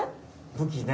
武器ね。